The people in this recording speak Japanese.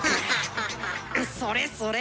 それそれ！